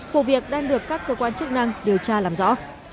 vụ việc đang được các cơ quan chức năng điều tra làm rõ